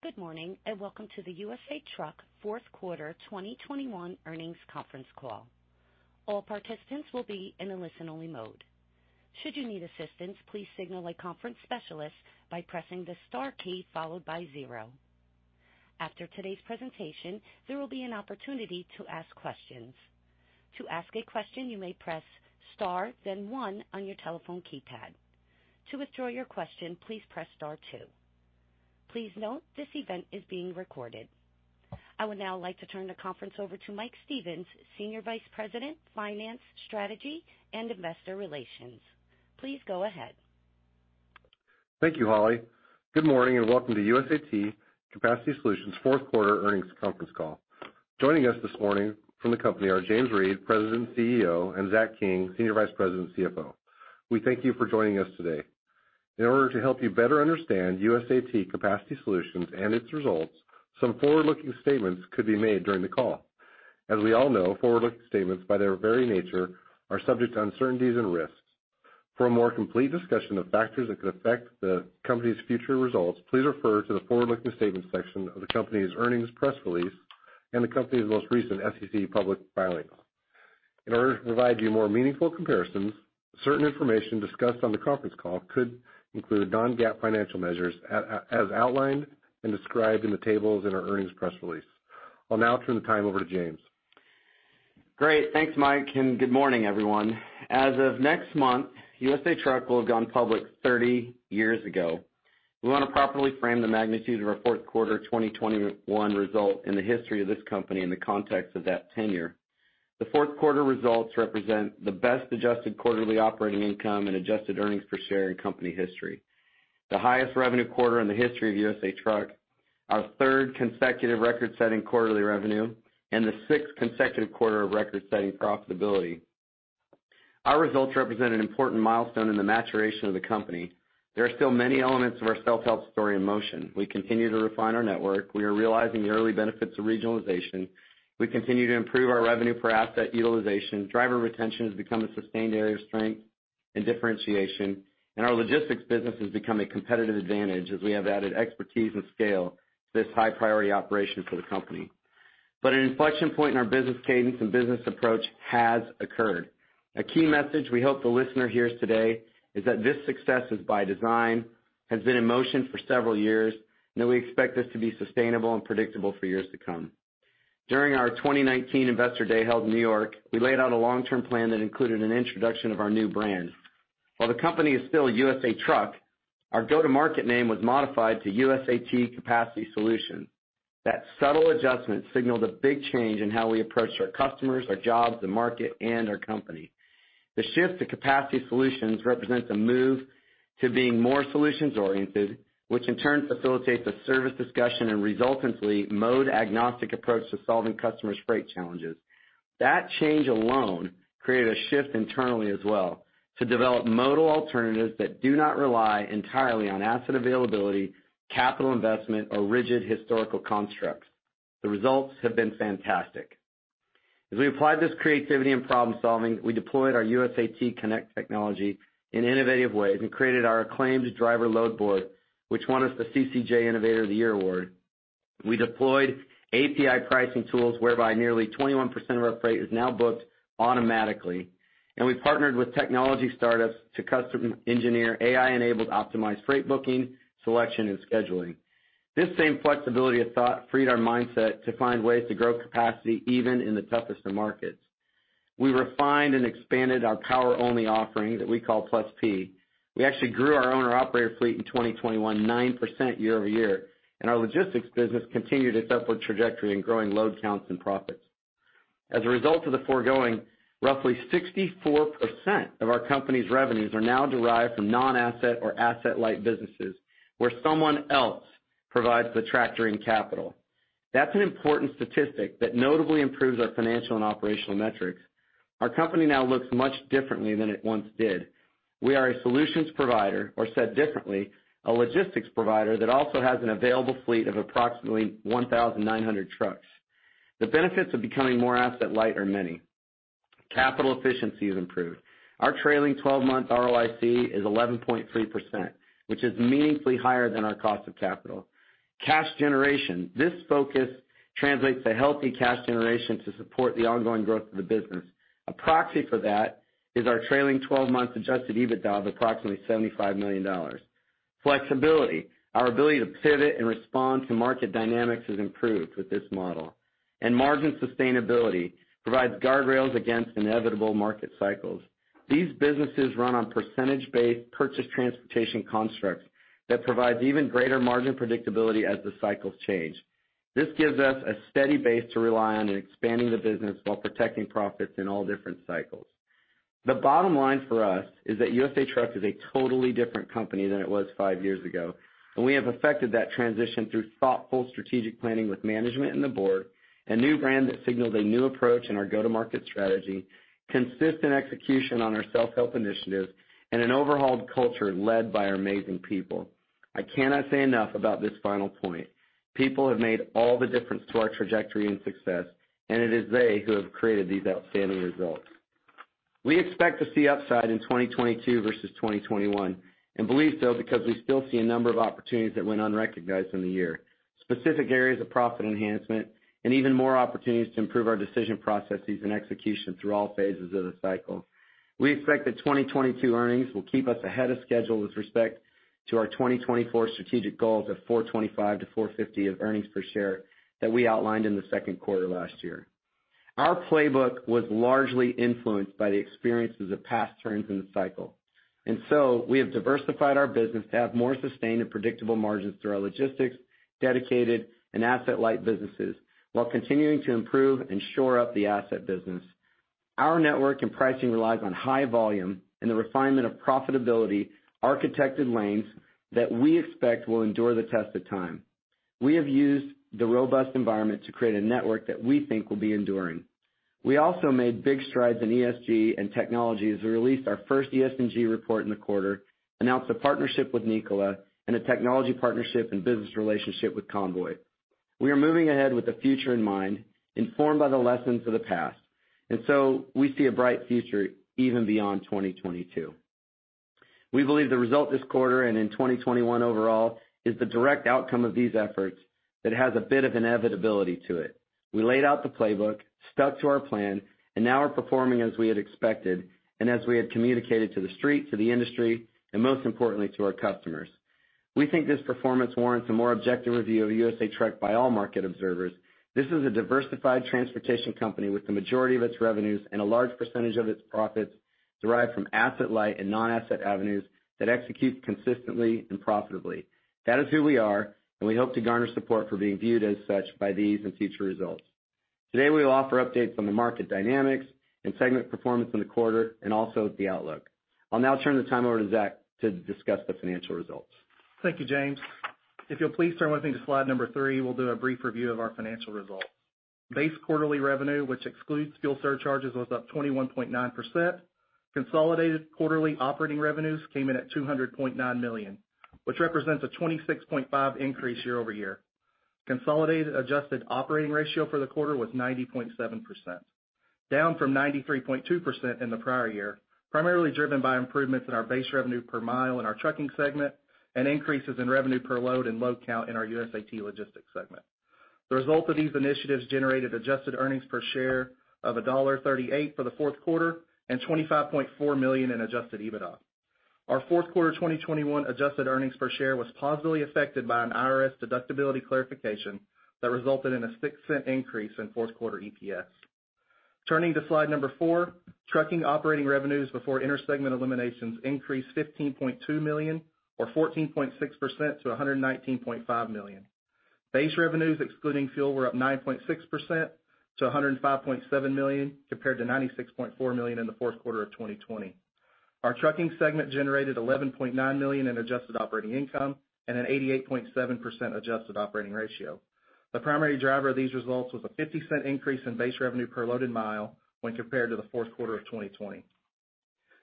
Good morning, and welcome to the USA Truck Fourth Quarter 2021 Earnings Conference Call. All participants will be in a listen-only mode. Should you need assistance, please signal a conference specialist by pressing the star key followed by zero. After today's presentation, there will be an opportunity to ask questions. To ask a question, you may press star then one on your telephone keypad. To withdraw your question, please press star two. Please note this event is being recorded. I would now like to turn the conference over to Michael Stephens, Senior Vice President, Finance, Strategy and Investor Relations. Please go ahead. Thank you, Holly. Good morning, and welcome to USAT Capacity Solutions fourth quarter earnings conference call. Joining us this morning from the company are James Reed, President and CEO, and Zachary King, Senior Vice President and CFO. We thank you for joining us today. In order to help you better understand USAT Capacity Solutions and its results, some forward-looking statements could be made during the call. As we all know, forward-looking statements, by their very nature, are subject to uncertainties and risks. For a more complete discussion of factors that could affect the company's future results, please refer to the Forward-Looking Statements section of the company's earnings press release and the company's most recent SEC public filing. In order to provide you more meaningful comparisons, certain information discussed on the conference call could include non-GAAP financial measures as outlined and described in the tables in our earnings press release. I'll now turn the time over to James. Great. Thanks, Mike, and good morning, everyone. As of next month, USA Truck will have gone public 30 years ago. We want to properly frame the magnitude of our fourth quarter 2021 result in the history of this company in the context of that tenure. The fourth quarter results represent the best adjusted quarterly operating income and adjusted earnings per share in company history, the highest revenue quarter in the history of USA Truck, our third consecutive record-setting quarterly revenue, and the sixth consecutive quarter of record-setting profitability. Our results represent an important milestone in the maturation of the company. There are still many elements of our self-help story in motion. We continue to refine our network. We are realizing the early benefits of regionalization. We continue to improve our revenue per asset utilization. Driver retention has become a sustained area of strength and differentiation, and our logistics business has become a competitive advantage as we have added expertise and scale to this high-priority operation for the company. An inflection point in our business cadence and business approach has occurred. A key message we hope the listener hears today is that this success is by design, has been in motion for several years, and that we expect this to be sustainable and predictable for years to come. During our 2019 Investor Day held in New York, we laid out a long-term plan that included an introduction of our new brand. While the company is still USA Truck, our go-to-market name was modified to USAT Capacity Solutions. That subtle adjustment signaled a big change in how we approach our customers, our jobs, the market, and our company. The shift to Capacity Solutions represents a move to being more solutions-oriented, which in turn facilitates a service discussion and resultantly mode-agnostic approach to solving customers' freight challenges. That change alone created a shift internally as well to develop modal alternatives that do not rely entirely on asset availability, capital investment, or rigid historical constructs. The results have been fantastic. As we applied this creativity and problem-solving, we deployed our USAT Connect technology in innovative ways and created our acclaimed driver load board, which won us the CCJ Innovator of the Year award. We deployed API pricing tools whereby nearly 21% of our freight is now booked automatically. We partnered with technology startups to custom engineer AI-enabled optimized freight booking, selection, and scheduling. This same flexibility of thought freed our mindset to find ways to grow capacity even in the toughest of markets. We refined and expanded our power-only offering that we call Plus P. We actually grew our owner operator fleet in 2021 9% year-over-year, and our logistics business continued its upward trajectory in growing load counts and profits. As a result of the foregoing, roughly 64% of our company's revenues are now derived from non-asset or asset-light businesses where someone else provides the tractoring capital. That's an important statistic that notably improves our financial and operational metrics. Our company now looks much differently than it once did. We are a solutions provider, or said differently, a logistics provider that also has an available fleet of approximately 1,900 trucks. The benefits of becoming more asset light are many. Capital efficiency is improved. Our trailing twelve-month ROIC is 11.3%, which is meaningfully higher than our cost of capital. Cash generation. This focus translates to healthy cash generation to support the ongoing growth of the business. A proxy for that is our trailing 12-month adjusted EBITDA of approximately $75 million. Flexibility. Our ability to pivot and respond to market dynamics has improved with this model. Margin sustainability provides guardrails against inevitable market cycles. These businesses run on percentage-based purchase transportation constructs that provide even greater margin predictability as the cycles change. This gives us a steady base to rely on in expanding the business while protecting profits in all different cycles. The bottom line for us is that USA Truck is a totally different company than it was five years ago, and we have affected that transition through thoughtful strategic planning with management and the board, a new brand that signaled a new approach in our go-to-market strategy, consistent execution on our self-help initiatives, and an overhauled culture led by our amazing people. I cannot say enough about this final point. People have made all the difference to our trajectory and success, and it is they who have created these outstanding results. We expect to see upside in 2022 versus 2021, and believe so because we still see a number of opportunities that went unrecognized in the year, specific areas of profit enhancement, and even more opportunities to improve our decision processes and execution through all phases of the cycle. We expect that 2022 earnings will keep us ahead of schedule with respect to our 2024 strategic goals of $4.25-$4.50 of earnings per share that we outlined in the second quarter last year. Our playbook was largely influenced by the experiences of past turns in the cycle, and so we have diversified our business to have more sustained and predictable margins through our logistics, dedicated and asset-light businesses while continuing to improve and shore up the asset business. Our network and pricing relies on high volume and the refinement of profitability, architected lanes that we expect will endure the test of time. We have used the robust environment to create a network that we think will be enduring. We also made big strides in ESG and technology as we released our first ESG report in the quarter, announced a partnership with Nikola and a technology partnership and business relationship with Convoy. We are moving ahead with the future in mind, informed by the lessons of the past, and so we see a bright future even beyond 2022. We believe the result this quarter and in 2021 overall is the direct outcome of these efforts that has a bit of inevitability to it. We laid out the playbook, stuck to our plan, and now are performing as we had expected and as we had communicated to the street, to the industry, and most importantly, to our customers. We think this performance warrants a more objective review of USA Truck by all market observers. This is a diversified transportation company with the majority of its revenues and a large percentage of its profits derived from asset light and non-asset avenues that execute consistently and profitably. That is who we are, and we hope to garner support for being viewed as such by these and future results. Today, we will offer updates on the market dynamics and segment performance in the quarter and also the outlook. I'll now turn the time over to Zach to discuss the financial results. Thank you, James. If you'll please turn with me to slide three, we'll do a brief review of our financial results. Base quarterly revenue, which excludes fuel surcharges, was up 21.9%. Consolidated quarterly operating revenues came in at $200.9 million, which represents a 26.5% increase year-over-year. Consolidated adjusted operating ratio for the quarter was 90.7%, down from 93.2% in the prior year, primarily driven by improvements in our base revenue per mile in our trucking segment and increases in revenue per load and load count in our USAT Logistics segment. The result of these initiatives generated adjusted earnings per share of $1.38 for the fourth quarter and $25.4 million in adjusted EBITDA. Our fourth quarter 2021 adjusted earnings per share was positively affected by an IRS deductibility clarification that resulted in a $0.06 increase in fourth quarter EPS. Turning to slide four, trucking operating revenues before inter-segment eliminations increased $15.2 million or 14.6% to $119.5 million. Base revenues, excluding fuel, were up 9.6% to $105.7 million, compared to $96.4 million in the fourth quarter of 2020. Our trucking segment generated $11.9 million in adjusted operating income and an 88.7% adjusted operating ratio. The primary driver of these results was a $0.50 increase in base revenue per loaded mile when compared to the fourth quarter of 2020.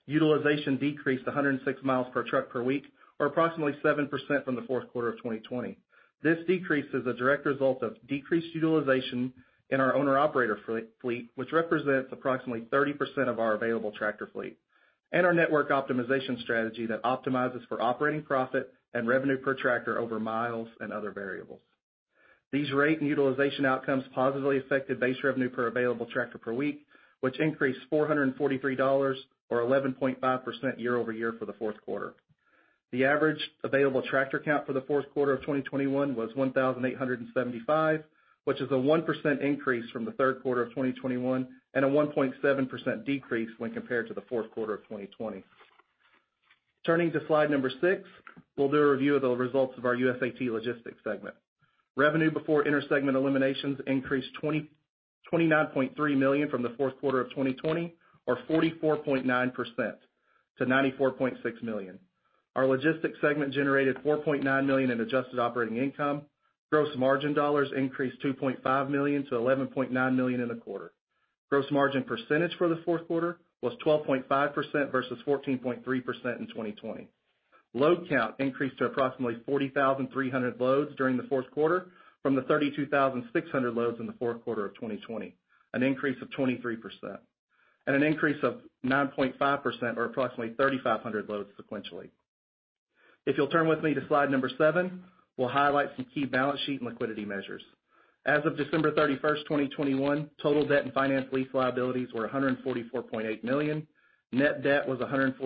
Utilization decreased 106 miles per truck per week, or approximately 7% from the fourth quarter of 2020. This decrease is a direct result of decreased utilization in our owner-operator fleet, which represents approximately 30% of our available tractor fleet, and our network optimization strategy that optimizes for operating profit and revenue per tractor over miles and other variables. These rate and utilization outcomes positively affected base revenue per available tractor per week, which increased $443 or 11.5% year-over-year for the fourth quarter. The average available tractor count for the fourth quarter of 2021 was 1,875, which is a 1% increase from the third quarter of 2021 and a 1.7% decrease when compared to the fourth quarter of 2020. Turning to slide six, we'll do a review of the results of our USAT Logistics segment. Revenue before inter-segment eliminations increased $29.3 million from the fourth quarter of 2020 or 44.9% to $94.6 million. Our logistics segment generated $4.9 million in adjusted operating income. Gross margin dollars increased $2.5 million to $11.9 million in the quarter. Gross margin percentage for the fourth quarter was 12.5% versus 14.3% in 2020. Load count increased to approximately 40,300 loads during the fourth quarter from the 32,600 loads in the fourth quarter of 2020, an increase of 23%, and an increase of 9.5% or approximately 3,500 loads sequentially. If you'll turn with me to slide seven, we'll highlight some key balance sheet and liquidity measures. As of December 31, 2021, total debt and finance lease liabilities were $144.8 million. Net debt was $143.8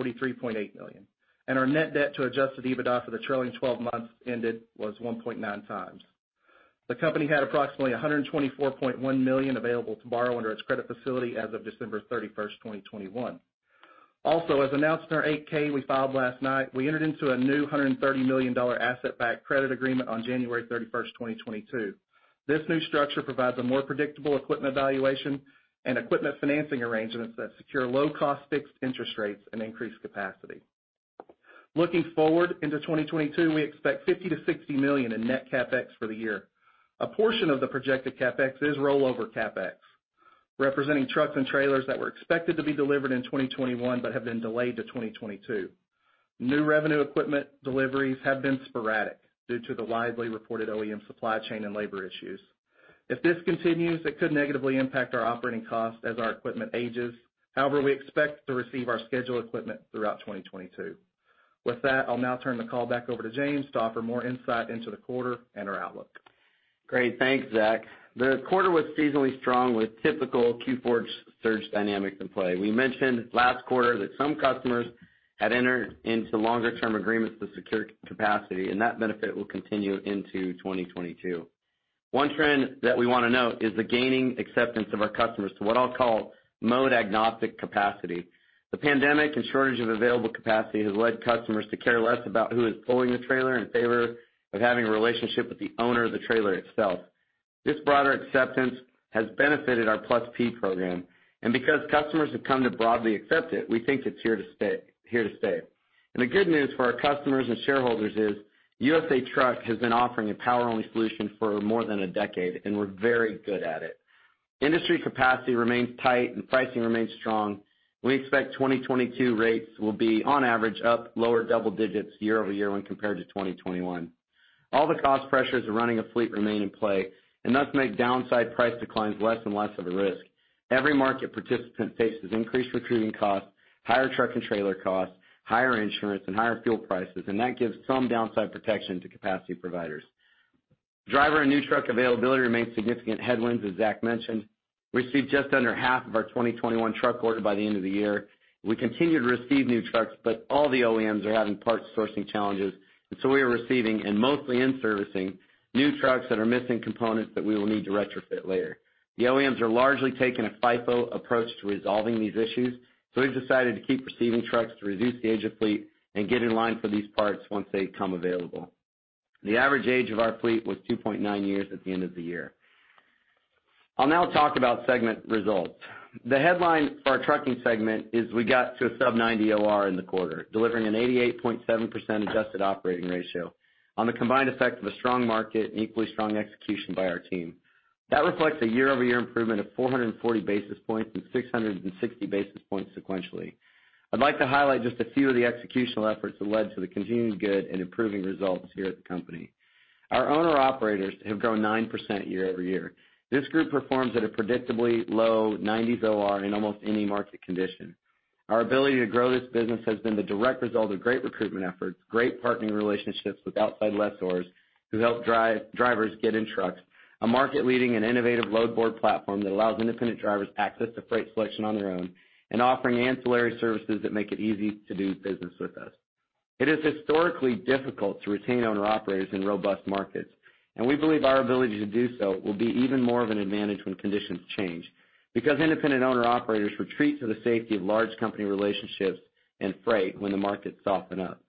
million, and our net debt to adjusted EBITDA for the trailing 12 months ended was 1.9x. The company had approximately $124.1 million available to borrow under its credit facility as of December 31, 2021. Also, as announced in our 8-K we filed last night, we entered into a new $130 million asset-backed credit agreement on January 31, 2022. This new structure provides a more predictable equipment valuation and equipment financing arrangements that secure low cost fixed interest rates and increased capacity. Looking forward into 2022, we expect $50 million to $60 million in net CapEx for the year. A portion of the projected CapEx is rollover CapEx, representing trucks and trailers that were expected to be delivered in 2021, but have been delayed to 2022. New revenue equipment deliveries have been sporadic due to the widely reported OEM supply chain and labor issues. If this continues, it could negatively impact our operating costs as our equipment ages. However, we expect to receive our scheduled equipment throughout 2022. With that, I'll now turn the call back over to James to offer more insight into the quarter and our outlook. Great. Thanks, Zach. The quarter was seasonally strong with typical Q4 surge dynamics in play. We mentioned last quarter that some customers had entered into longer-term agreements to secure capacity, and that benefit will continue into 2022. One trend that we want to note is the gaining acceptance of our customers to what I'll call mode-agnostic capacity. The pandemic and shortage of available capacity has led customers to care less about who is pulling the trailer in favor of having a relationship with the owner of the trailer itself. This broader acceptance has benefited our Plus P program, and because customers have come to broadly accept it, we think it's here to stay. The good news for our customers and shareholders is USA Truck has been offering a power-only solution for more than a decade, and we're very good at it. Industry capacity remains tight and pricing remains strong. We expect 2022 rates will be on average up lower double digits year-over-year when compared to 2021. All the cost pressures of running a fleet remain in play and thus make downside price declines less and less of a risk. Every market participant faces increased recruiting costs, higher truck and trailer costs, higher insurance and higher fuel prices, and that gives some downside protection to capacity providers. Driver and new truck availability remains significant headwinds, as Zach mentioned. We received just under half of our 2021 truck order by the end of the year. We continue to receive new trucks, but all the OEMs are having parts sourcing challenges, and so we are receiving and mostly in servicing new trucks that are missing components that we will need to retrofit later. The OEMs are largely taking a FIFO approach to resolving these issues, so we've decided to keep receiving trucks to reduce the age of fleet and get in line for these parts once they become available. The average age of our fleet was 2.9 years at the end of the year. I'll now talk about segment results. The headline for our trucking segment is we got to a sub-90 OR in the quarter, delivering an 88.7% adjusted operating ratio on the combined effect of a strong market and equally strong execution by our team. That reflects a year-over-year improvement of 440 basis points and 660 basis points sequentially. I'd like to highlight just a few of the executional efforts that led to the continued good and improving results here at the company. Our owner-operators have grown 9% year-over-year. This group performs at a predictably low 90s OR in almost any market condition. Our ability to grow this business has been the direct result of great recruitment efforts, great partnering relationships with outside lessors who help drivers get in trucks, a market-leading and innovative load board platform that allows independent drivers access to freight selection on their own, and offering ancillary services that make it easy to do business with us. It is historically difficult to retain owner-operators in robust markets, and we believe our ability to do so will be even more of an advantage when conditions change because independent owner-operators retreat to the safety of large company relationships and freight when the markets soften up.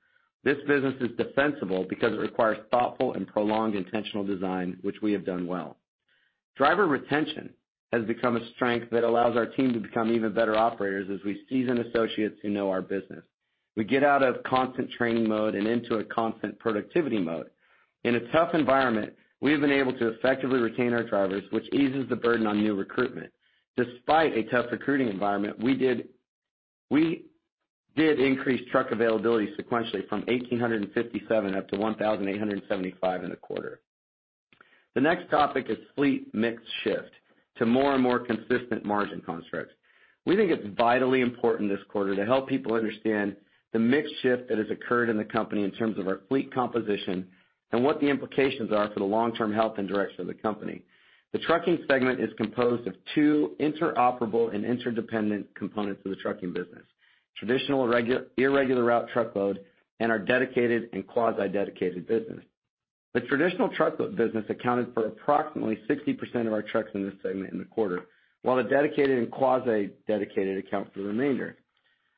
This business is defensible because it requires thoughtful and prolonged intentional design, which we have done well. Driver retention has become a strength that allows our team to become even better operators as we season associates who know our business. We get out of constant training mode and into a constant productivity mode. In a tough environment, we have been able to effectively retain our drivers, which eases the burden on new recruitment. Despite a tough recruiting environment, we did increase truck availability sequentially from 1,857 up to 1,875 in the quarter. The next topic is fleet mix shift to more and more consistent margin constructs. We think it's vitally important this quarter to help people understand the mix shift that has occurred in the company in terms of our fleet composition and what the implications are for the long-term health and direction of the company. The trucking segment is composed of two interoperable and interdependent components of the trucking business, traditional irregular route truckload and our dedicated and quasi-dedicated business. The traditional truckload business accounted for approximately 60% of our trucks in this segment in the quarter, while the dedicated and quasi-dedicated account for the remainder.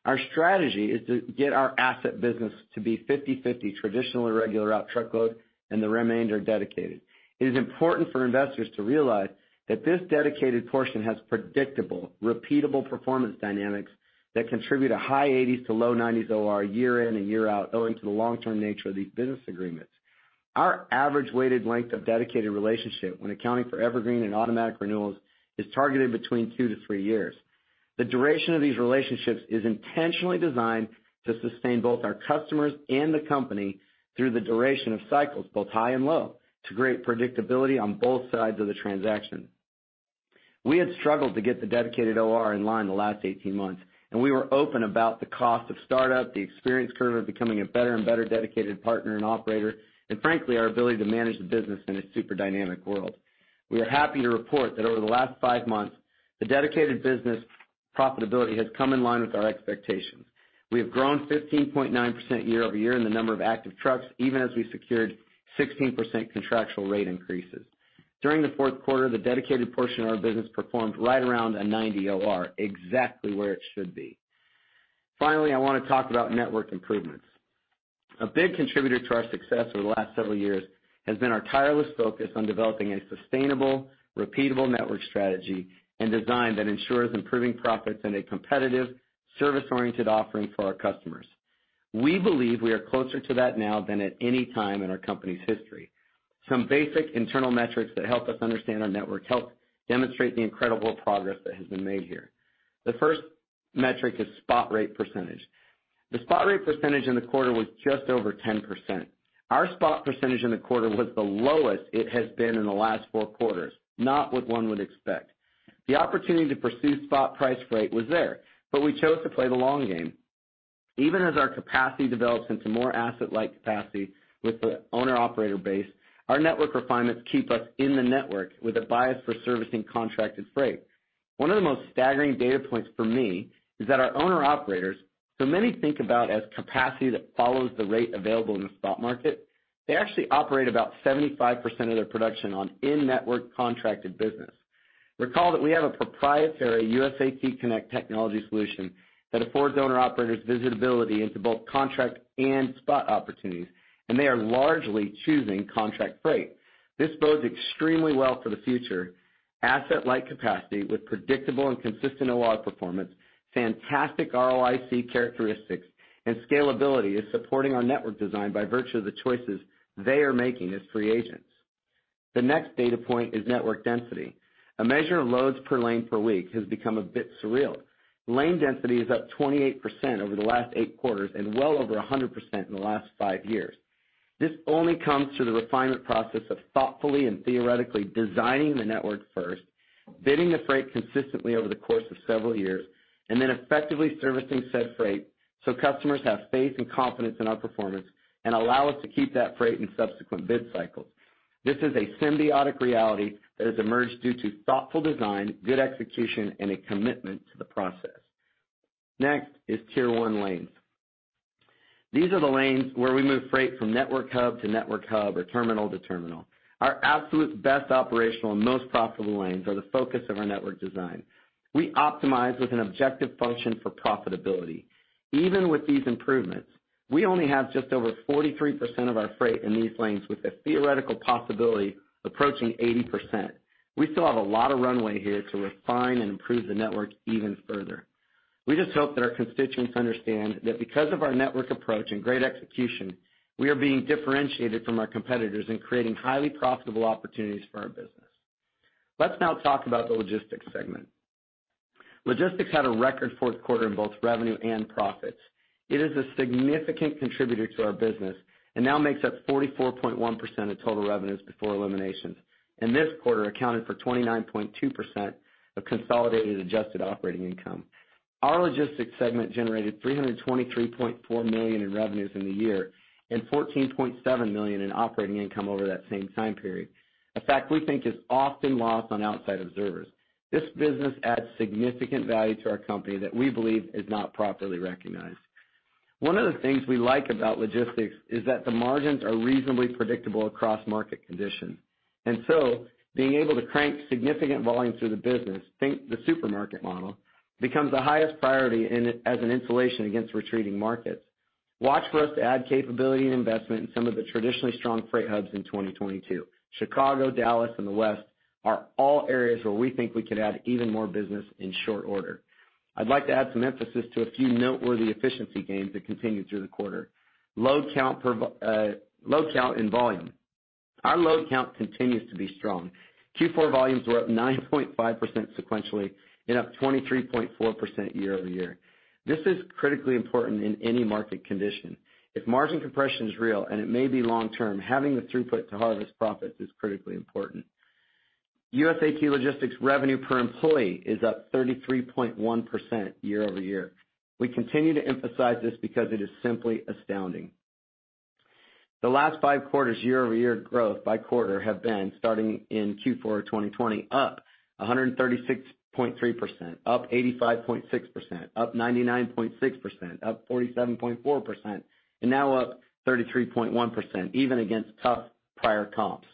Our strategy is to get our asset business to be 50/50 traditional irregular route truckload and the remainder dedicated. It is important for investors to realize that this dedicated portion has predictable, repeatable performance dynamics that contribute a high 80s%-low 90s% OR year in and year out, owing to the long-term nature of these business agreements. Our average weighted length of dedicated relationship when accounting for evergreen and automatic renewals is targeted between two to three years. The duration of these relationships is intentionally designed to sustain both our customers and the company through the duration of cycles, both high and low, to create predictability on both sides of the transaction. We had struggled to get the dedicated OR in line the last 18 months, and we were open about the cost of startup, the experience curve of becoming a better and better dedicated partner and operator, and frankly, our ability to manage the business in a super dynamic world. We are happy to report that over the last five months, the dedicated business profitability has come in line with our expectations. We have grown 15.9% year-over-year in the number of active trucks, even as we secured 16% contractual rate increases. During the fourth quarter, the dedicated portion of our business performed right around a 90 OR, exactly where it should be. Finally, I want to talk about network improvements. A big contributor to our success over the last several years has been our tireless focus on developing a sustainable, repeatable network strategy and design that ensures improving profits and a competitive, service-oriented offering for our customers. We believe we are closer to that now than at any time in our company's history. Some basic internal metrics that help us understand our network health demonstrate the incredible progress that has been made here. The first metric is spot rate percentage. The spot rate percentage in the quarter was just over 10%. Our spot percentage in the quarter was the lowest it has been in the last four quarters, not what one would expect. The opportunity to pursue spot price freight was there, but we chose to play the long game. Even as our capacity develops into more asset-like capacity with the owner-operator base, our network refinements keep us in the network with a bias for servicing contracted freight. One of the most staggering data points for me is that our owner-operators, who many think about as capacity that follows the rate available in the spot market, they actually operate about 75% of their production on in-network contracted business. Recall that we have a proprietary USAT Connect technology solution that affords owner-operators visibility into both contract and spot opportunities, and they are largely choosing contract freight. This bodes extremely well for the future. Asset-light capacity with predictable and consistent OR performance, fantastic ROIC characteristics, and scalability is supporting our network design by virtue of the choices they are making as free agents. The next data point is network density. A measure of loads per lane per week has become a bit surreal. Lane density is up 28% over the last eight quarters and well over 100% in the last five years. This only comes through the refinement process of thoughtfully and theoretically designing the network first, bidding the freight consistently over the course of several years, and then effectively servicing said freight so customers have faith and confidence in our performance and allow us to keep that freight in subsequent bid cycles. This is a symbiotic reality that has emerged due to thoughtful design, good execution, and a commitment to the process. Next is Tier 1 lanes. These are the lanes where we move freight from network hub to network hub or terminal to terminal. Our absolute best operational and most profitable lanes are the focus of our network design. We optimize with an objective function for profitability. Even with these improvements, we only have just over 43% of our freight in these lanes, with the theoretical possibility approaching 80%. We still have a lot of runway here to refine and improve the network even further. We just hope that our constituents understand that because of our network approach and great execution, we are being differentiated from our competitors in creating highly profitable opportunities for our business. Let's now talk about the logistics segment. Logistics had a record fourth quarter in both revenue and profits. It is a significant contributor to our business and now makes up 44.1% of total revenues before eliminations, and this quarter accounted for 29.2% of consolidated adjusted operating income. Our logistics segment generated $323.4 million in revenues in the year and $14.7 million in operating income over that same time period. A fact we think is often lost on outside observers. This business adds significant value to our company that we believe is not properly recognized. One of the things we like about logistics is that the margins are reasonably predictable across market conditions, and so being able to crank significant volume through the business, think the supermarket model, becomes the highest priority in, as an insulation against retreating markets. Watch for us to add capability and investment in some of the traditionally strong freight hubs in 2022. Chicago, Dallas, and the West are all areas where we think we could add even more business in short order. I'd like to add some emphasis to a few noteworthy efficiency gains that continued through the quarter. Load count and volume. Our load count continues to be strong. Q4 volumes were up 9.5% sequentially and up 23.4% year over year. This is critically important in any market condition. If margin compression is real, and it may be long-term, having the throughput to harvest profits is critically important. USAT Logistics revenue per employee is up 33.1% year over year. We continue to emphasize this because it is simply astounding. The last five quarters year-over-year growth by quarter have been, starting in Q4 of 2020, up 136.3%, up 85.6%, up 99.6%, up 47.4%, and now up 33.1%, even against tough prior comps.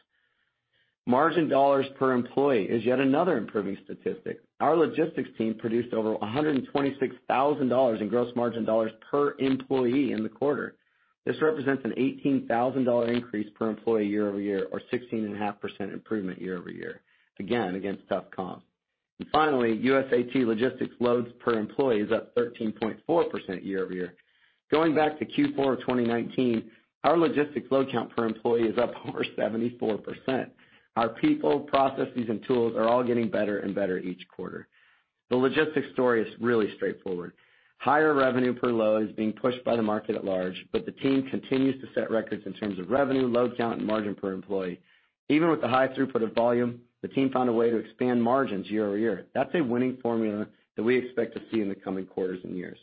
Margin dollars per employee is yet another improving statistic. Our logistics team produced over $126,000 in gross margin dollars per employee in the quarter. This represents an $18,000 increase per employee year-over-year, or 16.5% improvement year-over-year, again, against tough comps. Finally, USAT Logistics loads per employee is up 13.4% year-over-year. Going back to Q4 of 2019, our logistics load count per employee is up over 74%. Our people, processes, and tools are all getting better and better each quarter. The logistics story is really straightforward. Higher revenue per load is being pushed by the market at large, but the team continues to set records in terms of revenue, load count, and margin per employee. Even with the high throughput of volume, the team found a way to expand margins year-over-year. That's a winning formula that we expect to see in the coming quarters and years.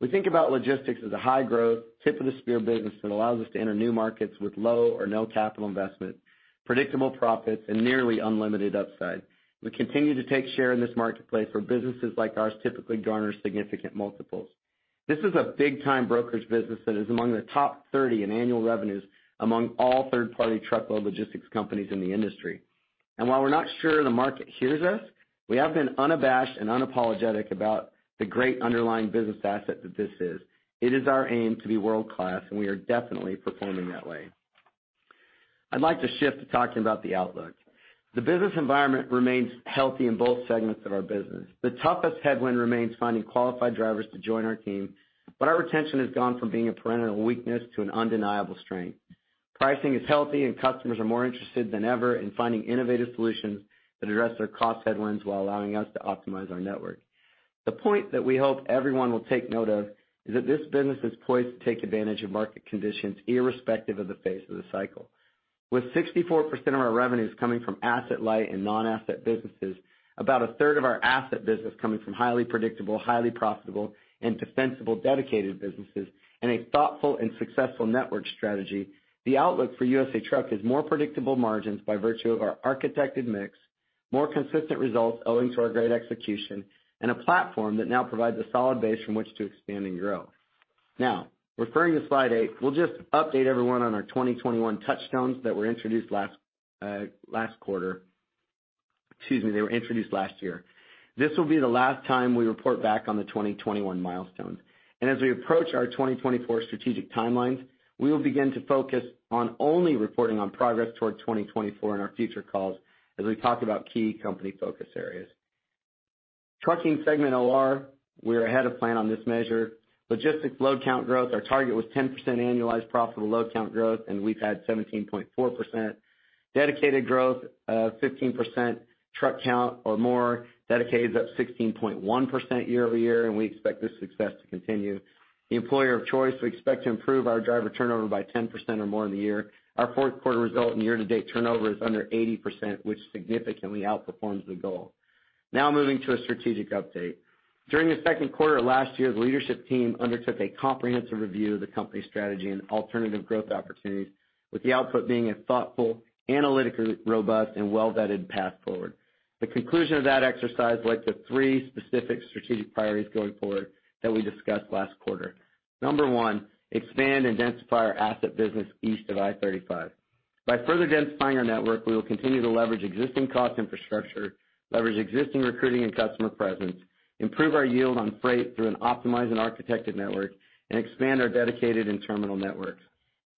We think about logistics as a high-growth, tip-of-the-spear business that allows us to enter new markets with low or no capital investment, predictable profits, and nearly unlimited upside. We continue to take share in this marketplace where businesses like ours typically garner significant multiples. This is a big-time brokerage business that is among the top 30 in annual revenues among all third-party truckload logistics companies in the industry. While we're not sure the market hears us, we have been unabashed and unapologetic about the great underlying business asset that this is. It is our aim to be world-class, and we are definitely performing that way. I'd like to shift to talking about the outlook. The business environment remains healthy in both segments of our business. The toughest headwind remains finding qualified drivers to join our team, but our retention has gone from being a perennial weakness to an undeniable strength. Pricing is healthy and customers are more interested than ever in finding innovative solutions that address their cost headwinds while allowing us to optimize our network. The point that we hope everyone will take note of is that this business is poised to take advantage of market conditions irrespective of the phase of the cycle. With 64% of our revenues coming from asset light and non-asset businesses, about a third of our asset business coming from highly predictable, highly profitable and defensible dedicated businesses, and a thoughtful and successful network strategy, the outlook for USA Truck is more predictable margins by virtue of our architected mix, more consistent results owing to our great execution and a platform that now provides a solid base from which to expand and grow. Now referring to slide eight, we'll just update everyone on our 2021 touchstones that were introduced last quarter. Excuse me, they were introduced last year. This will be the last time we report back on the 2021 milestones. As we approach our 2024 strategic timelines, we will begin to focus on only reporting on progress toward 2024 in our future calls as we talk about key company focus areas. Trucking segment OR, we're ahead of plan on this measure. Logistics load count growth, our target was 10% annualized profitable load count growth, and we've had 17.4%. Dedicated growth, 15% truck count or more. Dedicated is up 16.1% year-over-year, and we expect this success to continue. The employer of choice, we expect to improve our driver turnover by 10% or more in the year. Our fourth quarter result in year-to-date turnover is under 80%, which significantly outperforms the goal. Now moving to a strategic update. During the second quarter of last year, the leadership team undertook a comprehensive review of the company's strategy and alternative growth opportunities, with the output being a thoughtful, analytically robust and well-vetted path forward. The conclusion of that exercise led to three specific strategic priorities going forward that we discussed last quarter. Number one, expand and densify our asset business east of I-35. By further densifying our network, we will continue to leverage existing cost infrastructure, leverage existing recruiting and customer presence, improve our yield on freight through an optimized and architected network, and expand our dedicated and terminal networks.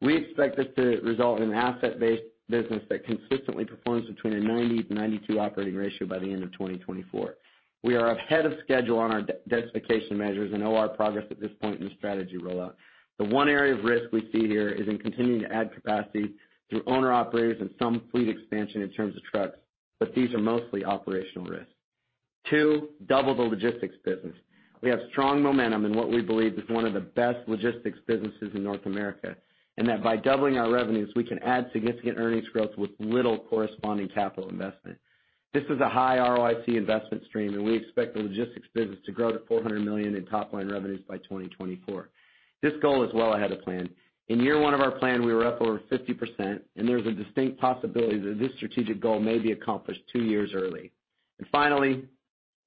We expect this to result in an asset-based business that consistently performs between 90%-92% operating ratio by the end of 2024. We are ahead of schedule on our de-densification measures and OR progress at this point in the strategy rollout. The one area of risk we see here is in continuing to add capacity through owner-operators and some fleet expansion in terms of trucks, but these are mostly operational risks. Two, double the logistics business. We have strong momentum in what we believe is one of the best logistics businesses in North America, and that by doubling our revenues, we can add significant earnings growth with little corresponding capital investment. This is a high ROIC investment stream, and we expect the logistics business to grow to $400 million in top line revenues by 2024. This goal is well ahead of plan. In year one of our plan, we were up over 50% and there's a distinct possibility that this strategic goal may be accomplished two years early. Finally,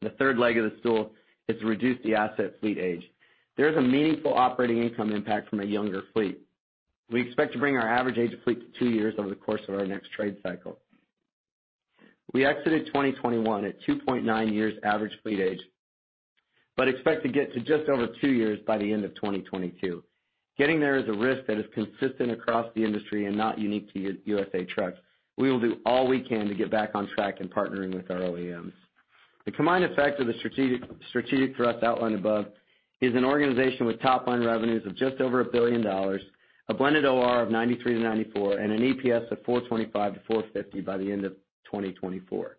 the third leg of the stool is to reduce the asset fleet age. There is a meaningful operating income impact from a younger fleet. We expect to bring our average age of fleet to two years over the course of our next trade cycle. We exited 2021 at 2.9 years average fleet age, but expect to get to just over two years by the end of 2022. Getting there is a risk that is consistent across the industry and not unique to USA Truck. We will do all we can to get back on track in partnering with our OEMs. The combined effect of the strategic thrust outlined above is an organization with top line revenues of just over $1 billion, a blended OR of 93%-94%, and an EPS of $4.25-$4.50 by the end of 2024.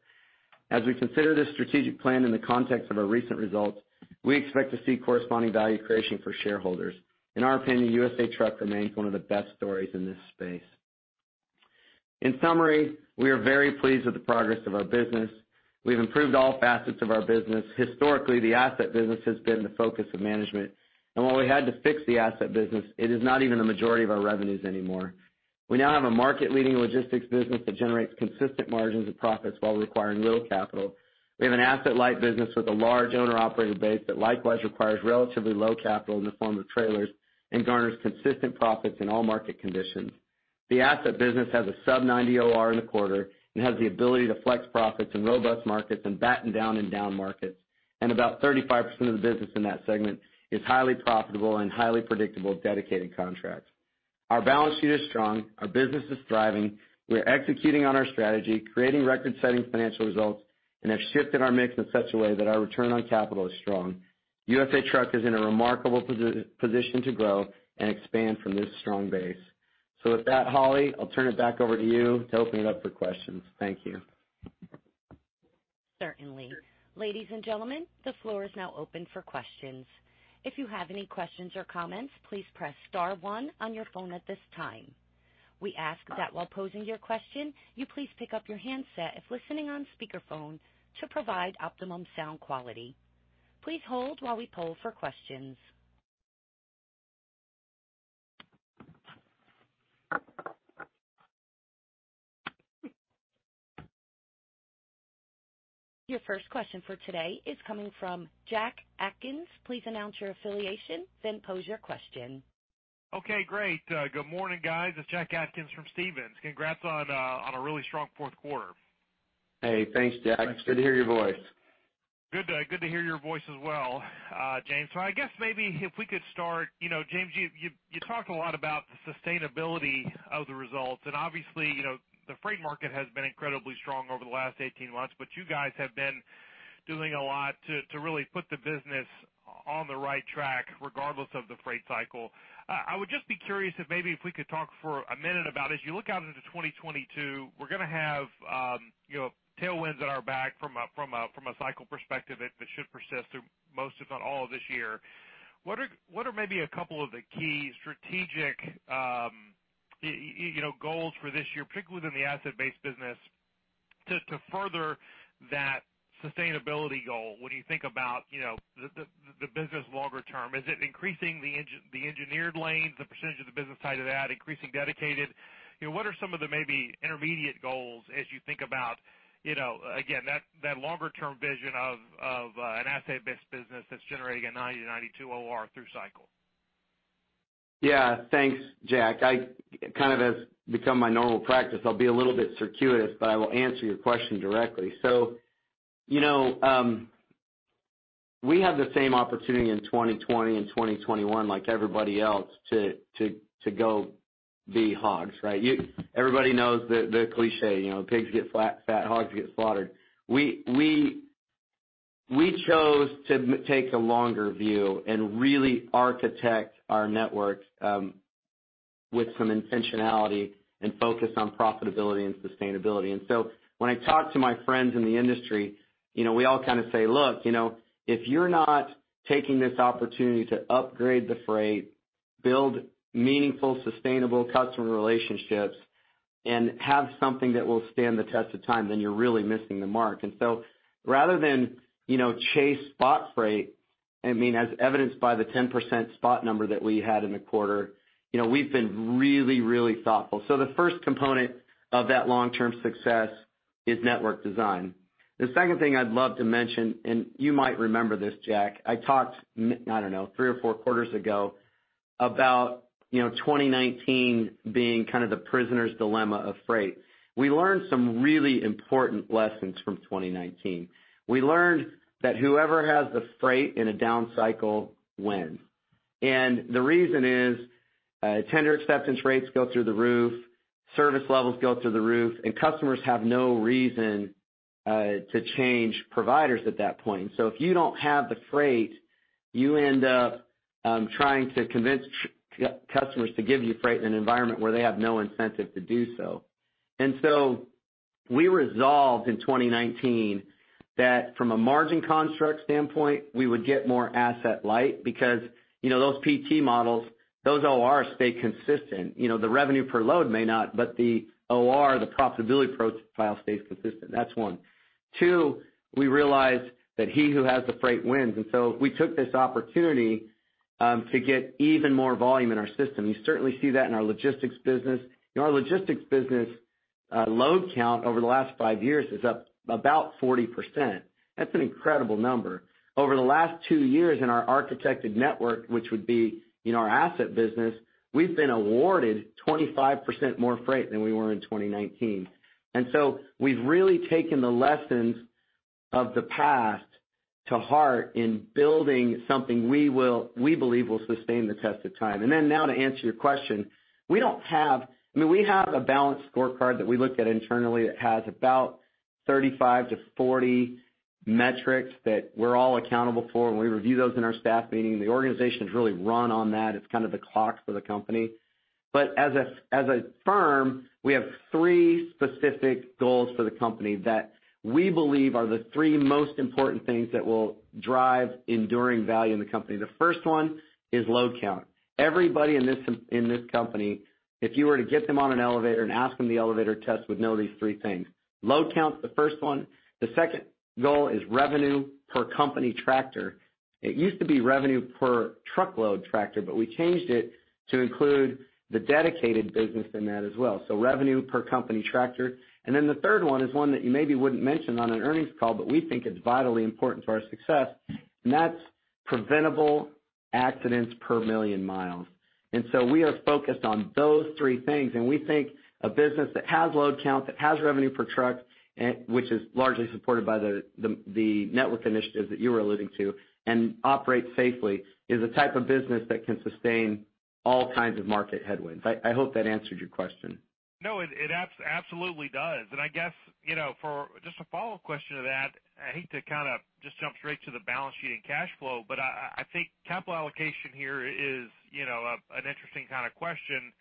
As we consider this strategic plan in the context of our recent results, we expect to see corresponding value creation for shareholders. In our opinion, USA Truck remains one of the best stories in this space. In summary, we are very pleased with the progress of our business. We've improved all facets of our business. Historically, the asset business has been the focus of management, and while we had to fix the asset business, it is not even the majority of our revenues anymore. We now have a market-leading logistics business that generates consistent margins and profits while requiring little capital. We have an asset-light business with a large owner operator base that likewise requires relatively low capital in the form of trailers and garners consistent profits in all market conditions. The asset business has a sub-90 OR in the quarter and has the ability to flex profits in robust markets and batten down in down markets. About 35% of the business in that segment is highly profitable and highly predictable dedicated contracts. Our balance sheet is strong, our business is thriving, we are executing on our strategy, creating record-setting financial results, and have shifted our mix in such a way that our return on capital is strong. USA Truck is in a remarkable position to grow and expand from this strong base. With that, Holly, I'll turn it back over to you to open it up for questions. Thank you. Certainly. Ladies and gentlemen, the floor is now open for questions. If you have any questions or comments, please press star one on your phone at this time. We ask that while posing your question, you please pick up your handset if listening on speakerphone to provide optimum sound quality. Please hold while we poll for questions. Your first question for today is coming from Jack Atkins. Please announce your affiliation, then pose your question. Okay, great. Good morning, guys. It's Jack Atkins from Stephens. Congrats on a really strong fourth quarter. Hey, thanks, Jack. It's good to hear your voice. Good to hear your voice as well, James. I guess maybe if we could start, you know, James, you talked a lot about the sustainability of the results, and obviously, you know, the freight market has been incredibly strong over the last 18 months, but you guys have been doing a lot to really put the business on the right track regardless of the freight cycle. I would just be curious if maybe if we could talk for a minute about as you look out into 2022, we're going to have, you know, tailwinds at our back from a cycle perspective that should persist through most, if not all, of this year. What are maybe a couple of the key strategic, you know, goals for this year, particularly within the asset-based business, just to further that sustainability goal when you think about, you know, the business longer term. Is it increasing the engineered lanes, the percentage of the business side of that, increasing dedicated? You know, what are some of the maybe intermediate goals as you think about, you know, again, that longer-term vision of an asset-based business that's generating a 90%-92% OR through cycle? Yeah. Thanks, Jack. I, kind of, as has become my normal practice, I'll be a little bit circuitous, but I will answer your question directly. You know, we have the same opportunity in 2020 and 2021 like everybody else to go be hogs, right? Everybody knows the cliché, you know, pigs get fat, hogs get slaughtered. We chose to take the longer view and really architect our networks with some intentionality and focus on profitability and sustainability. When I talk to my friends in the industry, you know, we all kind of say, "Look, you know, if you're not taking this opportunity to upgrade the freight, build meaningful, sustainable customer relationships, and have something that will stand the test of time, then you're really missing the mark." Rather than, you know, chase spot freight, I mean, as evidenced by the 10% spot number that we had in the quarter, you know, we've been really, really thoughtful. The first component of that long-term success is network design. The second thing I'd love to mention, and you might remember this, Jack, I talked, I don't know, three or four quarters ago about, you know, 2019 being kind of the prisoner's dilemma of freight. We learned some really important lessons from 2019. We learned that whoever has the freight in a down cycle wins. The reason is, tender acceptance rates go through the roof, service levels go through the roof, and customers have no reason to change providers at that point. If you don't have the freight, you end up trying to convince customers to give you freight in an environment where they have no incentive to do so. We resolved in 2019 that from a margin construct standpoint, we would get more asset light because, you know, those PT models, those OR stay consistent. You know, the revenue per load may not, but the OR, the profitability profile stays consistent. That's one. Two, we realized that he who has the freight wins. We took this opportunity to get even more volume in our system. You certainly see that in our logistics business. In our logistics business, load count over the last five years is up about 40%. That's an incredible number. Over the last two years in our architected network, which would be in our asset business, we've been awarded 25% more freight than we were in 2019. We've really taken the lessons of the past to heart in building something we believe will sustain the test of time. Now to answer your question, we don't have. I mean, we have a balanced scorecard that we look at internally that has about 35-40 metrics that we're all accountable for, and we review those in our staff meeting. The organization is really run on that. It's kind of the clock for the company. As a firm, we have three specific goals for the company that we believe are the three most important things that will drive enduring value in the company. The first one is load count. Everybody in this company, if you were to get them on an elevator and ask them the elevator test, would know these three things. Load count is the first one. The second goal is revenue per company tractor. It used to be revenue per truckload tractor, but we changed it to include the dedicated business in that as well, so revenue per company tractor. The third one is one that you maybe wouldn't mention on an earnings call, but we think it's vitally important to our success, and that's preventable accidents per million miles. We are focused on those three things. We think a business that has load count, that has revenue per truck, and which is largely supported by the network initiatives that you were alluding to, and operates safely, is the type of business that can sustain all kinds of market headwinds. I hope that answered your question. No, it absolutely does. I guess, you know, for just a follow-up question to that, I hate to kind of just jump straight to the balance sheet and cash flow, but I think capital allocation here is, you know, an interesting kind of question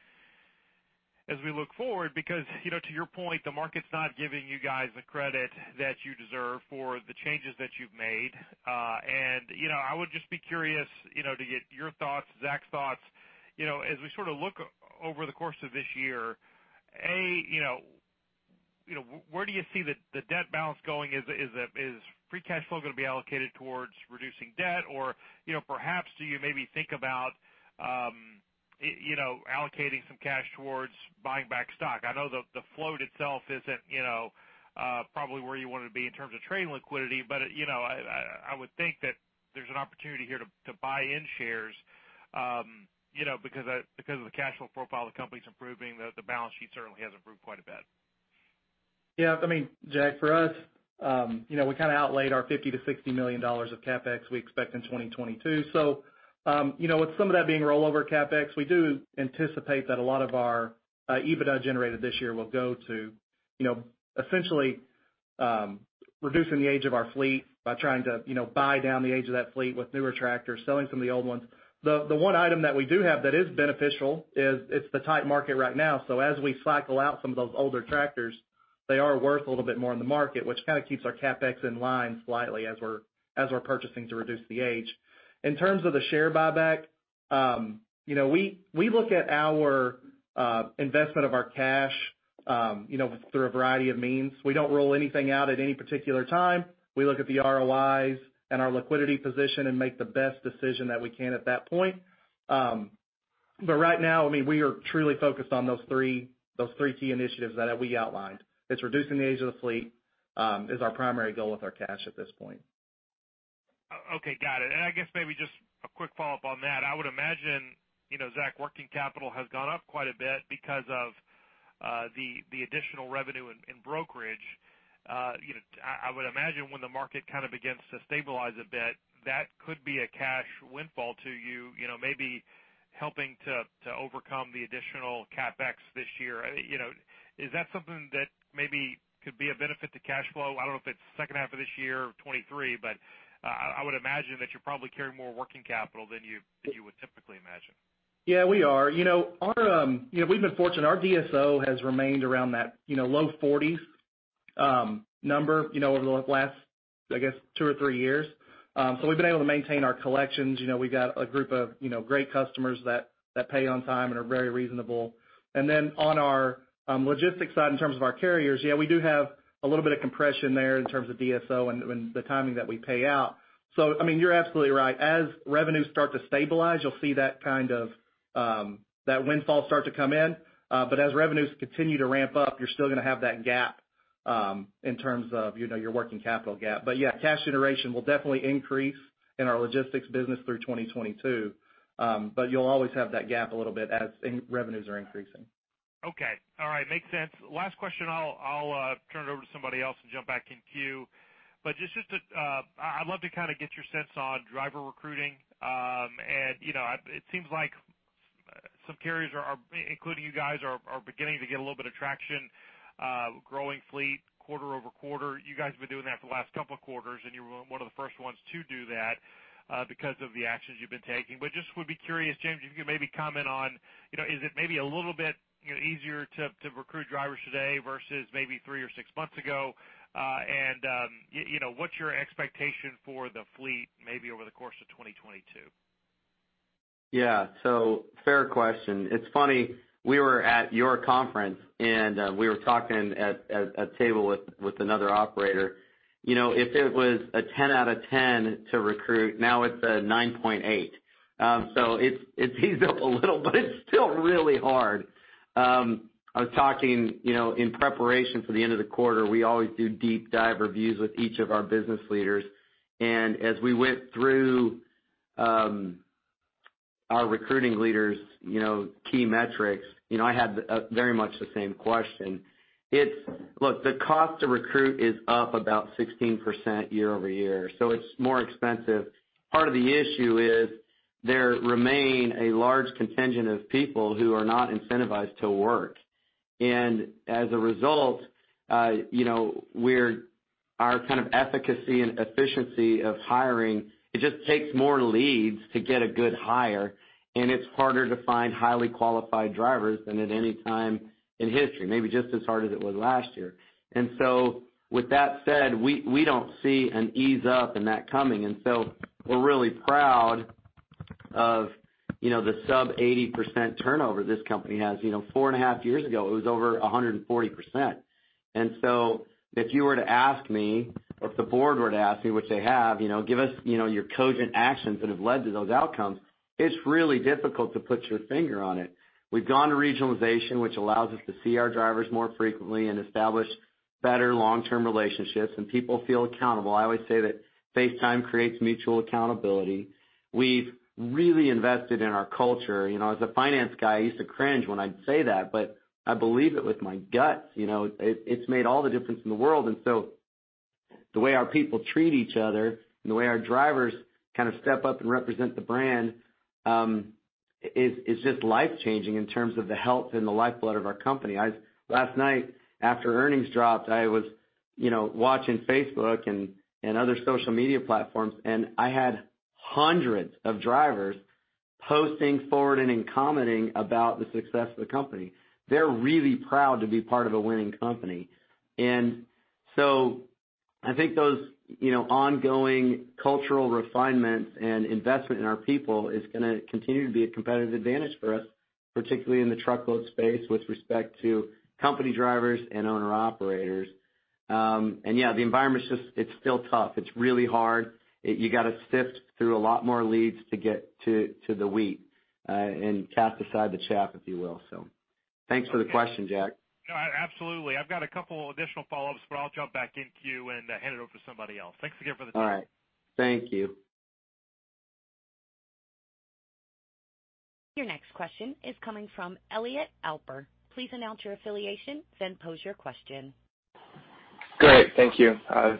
as we look forward because, you know, to your point, the market's not giving you guys the credit that you deserve for the changes that you've made. I would just be curious, you know, to get your thoughts, Zach's thoughts. As we sort of look over the course of this year, where do you see the debt balance going? Is free cash flow going to be allocated towards reducing debt? Or, you know, perhaps do you maybe think about, you know, allocating some cash towards buying back stock? I know the float itself isn't, you know, probably where you want to be in terms of trading liquidity, but, you know, I would think that there's an opportunity here to buy in shares, you know, because of the cash flow profile of the company's improving. The balance sheet certainly has improved quite a bit. Yeah. I mean, Jack, for us, you know, we kind of outlaid our $50 million to $60 million of CapEx we expect in 2022. With some of that being rollover CapEx, we do anticipate that a lot of our EBITDA generated this year will go to, you know, essentially reducing the age of our fleet by trying to, you know, buy down the age of that fleet with newer tractors, selling some of the old ones. The one item that we do have that is beneficial is it's the tight market right now. As we cycle out some of those older tractors, they are worth a little bit more in the market, which kind of keeps our CapEx in line slightly as we're purchasing to reduce the age. In terms of the share buyback, you know, we look at our investment of our cash, you know, through a variety of means. We don't rule anything out at any particular time. We look at the ROIs and our liquidity position and make the best decision that we can at that point. Right now, I mean, we are truly focused on those three key initiatives that we outlined. Reducing the age of the fleet is our primary goal with our cash at this point. Okay. Got it. I guess maybe just a quick follow-up on that. I would imagine, you know, Zach, working capital has gone up quite a bit because of the additional revenue in brokerage. You know, I would imagine when the market kind of begins to stabilize a bit, that could be a cash windfall to you know, maybe helping to overcome the additional CapEx this year. You know, is that something that maybe could be a benefit to cash flow? I don't know if it's second half of this year or 2023, but I would imagine that you probably carry more working capital than you would typically imagine. Yeah, we are. You know, our, you know, we've been fortunate. Our DSO has remained around that, you know, low forties, number, you know, over the last, I guess, two or three years. We've been able to maintain our collections. You know, we've got a group of, you know, great customers that pay on time and are very reasonable. On our, logistics side, in terms of our carriers, yeah, we do have a little bit of compression there in terms of DSO and the timing that we pay out. I mean, you're absolutely right. As revenues start to stabilize, you'll see that kind of, that windfall start to come in. As revenues continue to ramp up, you're still going to have that gap, in terms of, you know, your working capital gap. Yeah, cash generation will definitely increase in our logistics business through 2022. You'll always have that gap a little bit as revenues are increasing. Okay. All right. Makes sense. Last question. I'll turn it over to somebody else and jump back in queue. Just to, I'd love to kind of get your sense on driver recruiting. And you know it seems like some carriers are including you guys are beginning to get a little bit of traction growing fleet quarter over quarter. You guys have been doing that for the last couple of quarters, and you were one of the first ones to do that because of the actions you've been taking. Just would be curious, James, if you could maybe comment on you know is it maybe a little bit you know easier to recruit drivers today versus maybe three or six months ago? You know, what's your expectation for the fleet maybe over the course of 2022? Yeah. Fair question. It's funny, we were at your conference, and we were talking at a table with another operator. You know, if it was a 10 out of 10 to recruit, now it's a 9.8. It's eased up a little, but it's still really hard. I was talking, you know, in preparation for the end of the quarter, we always do deep dive reviews with each of our business leaders. As we went through our recruiting leaders' key metrics, you know, I had very much the same question. It's. Look, the cost to recruit is up about 16% year-over-year, so it's more expensive. Part of the issue is there remain a large contingent of people who are not incentivized to work. As a result, you know, our kind of efficacy and efficiency of hiring, it just takes more leads to get a good hire, and it's harder to find highly qualified drivers than at any time in history, maybe just as hard as it was last year. With that said, we don't see an ease up in that coming. We're really proud of, you know, the sub 80% turnover this company has. You know, four and a half years ago, it was over 140%. If you were to ask me, or if the board were to ask me, which they have, you know, "Give us, you know, your cogent actions that have led to those outcomes," it's really difficult to put your finger on it. We've gone to regionalization, which allows us to see our drivers more frequently and establish better long-term relationships, and people feel accountable. I always say that face time creates mutual accountability. We've really invested in our culture. You know, as a finance guy, I used to cringe when I'd say that, but I believe it with my guts. You know, it's made all the difference in the world. The way our people treat each other and the way our drivers kind of step up and represent the brand is just life-changing in terms of the health and the lifeblood of our company. Last night, after earnings dropped, I was, you know, watching Facebook and other social media platforms, and I had hundreds of drivers posting, forwarding, and commenting about the success of the company. They're really proud to be part of a winning company. I think those, you know, ongoing cultural refinements and investment in our people is going to continue to be a competitive advantage for us, particularly in the truckload space with respect to company drivers and owner-operators. The environment is just still tough. It's really hard. You got to sift through a lot more leads to get to the wheat and cast aside the chaff, if you will. Thanks for the question, Jack. No, absolutely. I've got a couple additional follow-ups, but I'll jump back in queue and hand it over to somebody else. Thanks again for the time. All right. Thank you. Your next question is coming from Elliot Alper. Please announce your affiliation, then pose your question. Great. Thank you.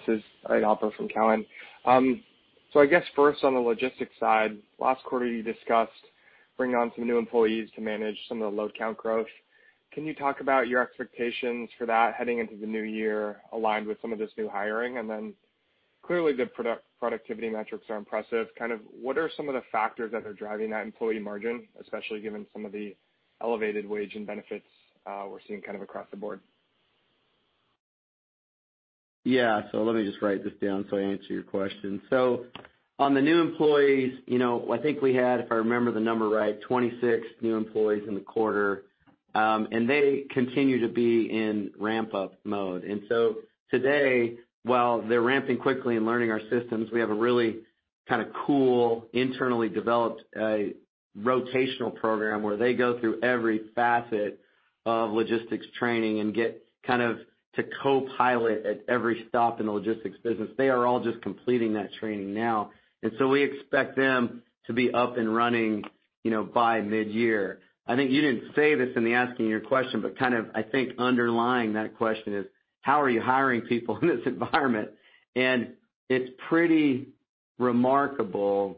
This is Elliot Alper from Cowen. I guess first on the logistics side, last quarter you discussed bringing on some new employees to manage some of the load count growth. Can you talk about your expectations for that heading into the new year, aligned with some of this new hiring? Clearly the productivity metrics are impressive. Kind of what are some of the factors that are driving that employee margin, especially given some of the elevated wage and benefits we're seeing kind of across the board? Yeah. Let me just write this down so I answer your question. On the new employees, you know, I think we had, if I remember the number right, 26 new employees in the quarter. They continue to be in ramp-up mode. Today, while they're ramping quickly and learning our systems, we have a really kind of cool, internally developed, rotational program where they go through every facet of logistics training and get kind of to co-pilot at every stop in the logistics business. They are all just completing that training now. We expect them to be up and running, you know, by mid-year. I think you didn't say this in the asking your question, but kind of, I think underlying that question is, how are you hiring people in this environment? It's pretty remarkable.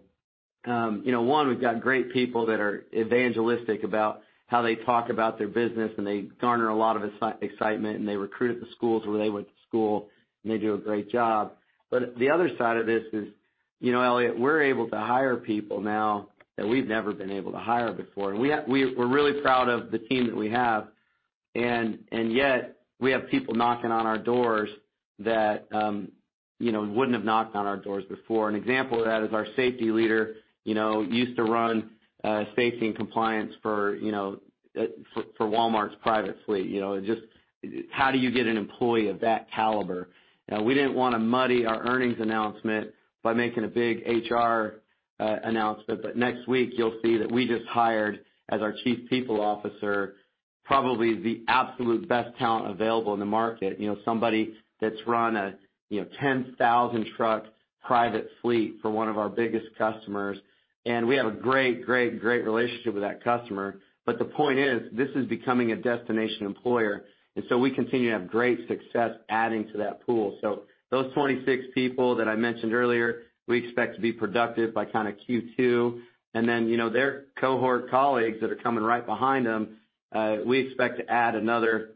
You know, one, we've got great people that are evangelistic about how they talk about their business, and they garner a lot of excitement, and they recruit at the schools where they went to school, and they do a great job. The other side of this is, you know, Eliot, we're able to hire people now that we've never been able to hire before. We're really proud of the team that we have, and yet we have people knocking on our doors that, you know, wouldn't have knocked on our doors before. An example of that is our safety leader, you know, used to run safety and compliance for Walmart's private fleet. You know, it just how do you get an employee of that caliber? Now, we didn't want to muddy our earnings announcement by making a big HR announcement, but next week you'll see that we just hired, as our Chief People Officer, probably the absolute best talent available in the market. You know, somebody that's run a, you know, 10,000 truck private fleet for one of our biggest customers. We have a great, great relationship with that customer. The point is, this is becoming a destination employer, and so we continue to have great success adding to that pool. Those 26 people that I mentioned earlier, we expect to be productive by kind of Q2. Then, you know, their cohort colleagues that are coming right behind them, we expect to add another.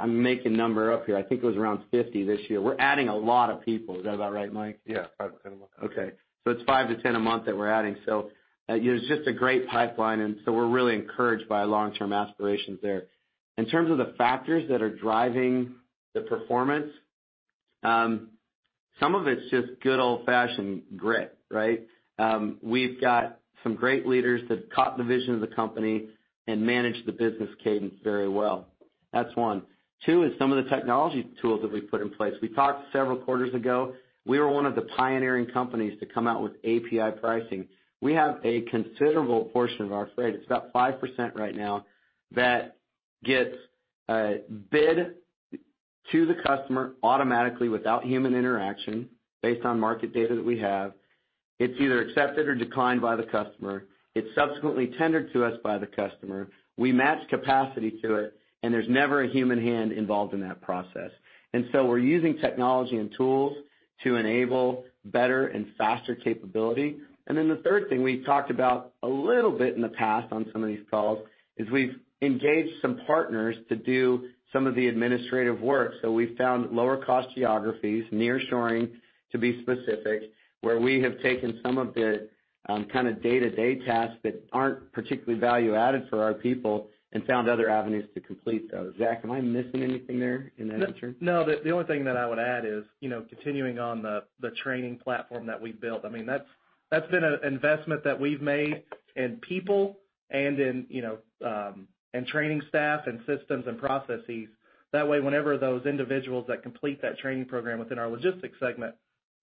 I'm making number up here. I think it was around 50 this year. We're adding a lot of people. Is that about right, Mike? Yeah. 5-10 a month. Okay. It's five to 10 a month that we're adding. You know, it's just a great pipeline, and so we're really encouraged by long-term aspirations there. In terms of the factors that are driving the performance, some of it's just good old-fashioned grit, right? We've got some great leaders that have caught the vision of the company and manage the business cadence very well. That's one. Two is some of the technology tools that we put in place. We talked several quarters ago. We were one of the pioneering companies to come out with API pricing. We have a considerable portion of our freight, it's about 5% right now, that gets bid to the customer automatically without human interaction based on market data that we have. It's either accepted or declined by the customer. It's subsequently tendered to us by the customer. We match capacity to it, and there's never a human hand involved in that process. We're using technology and tools to enable better and faster capability. The third thing we've talked about a little bit in the past on some of these calls is we've engaged some partners to do some of the administrative work. We've found lower cost geographies, nearshoring to be specific, where we have taken some of the, kind of day-to-day tasks that aren't particularly value added for our people and found other avenues to complete those. Zach, am I missing anything there in that answer? No. The only thing that I would add is, you know, continuing on the training platform that we built, I mean, that's been an investment that we've made in people and in, you know, in training staff and systems and processes. That way, whenever those individuals that complete that training program within our logistics segment